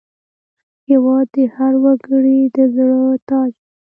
هېواد د هر وګړي د زړه تاج دی.